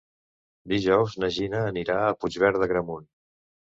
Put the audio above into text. Dijous na Gina anirà a Puigverd d'Agramunt.